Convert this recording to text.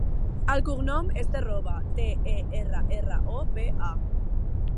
El cognom és Terroba: te, e, erra, erra, o, be, a.